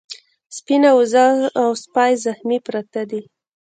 سپينه وزه او سپی زخمي پراته دي.